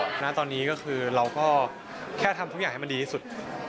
ณตอนนี้ก็คือเราก็แค่ทำทุกอย่างให้มันดีที่สุด